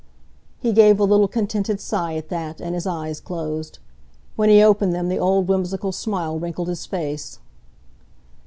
He gave a little contented sigh at that, and his eyes closed. When he opened them the old, whimsical smile wrinkled his face.